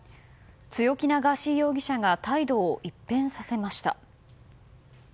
強気なガーシー容疑者が態度を一変させました。